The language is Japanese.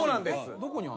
どこにあるの？